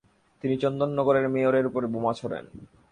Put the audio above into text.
তিনি চন্দননগরের মেয়রের উপরে বোমা ছোঁড়েন ।